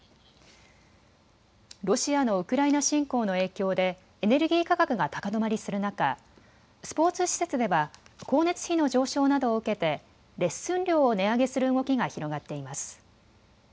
ロシアのウクライナ侵攻の影響でエネルギー価格が高止まりする中、スポーツ施設では光熱費の上昇などを受けてレッスン料を値上げする動きが広がっています。